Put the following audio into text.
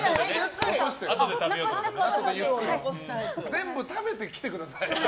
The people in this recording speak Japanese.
全部食べて来てください。